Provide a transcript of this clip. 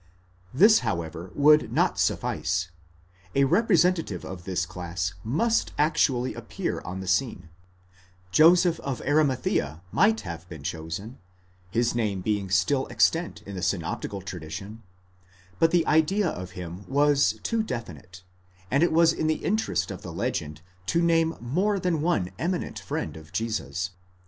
This, however, would not suffice ; a representative of this class must actually appear on the scene : Joseph of Arimathea might have been chosen, his name being still extant in the synoptical tradition; but the idea of him was too definite, and it was the interest of the legend to name more than one eminent friend of Jesus.